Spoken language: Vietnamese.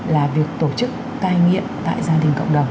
là việc tổ chức cai nghiện tại gia đình cộng đồng